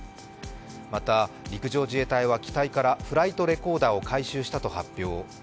また、陸上自衛隊は機体からフライトレコーダーを回収したと発表。